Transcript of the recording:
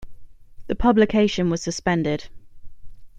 The publication was suspended.